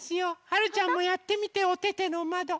はるちゃんもやってみておててのまど。